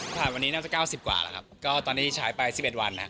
ค่ะวันนี้น่าจะก้าวสิบกว่าหรอครับก็ตอนที่ใช้ไปสิบอีกวันนะอ่า